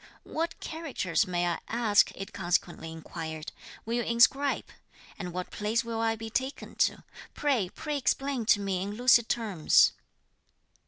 "What characters may I ask," it consequently inquired, "will you inscribe? and what place will I be taken to? pray, pray explain to me in lucid terms."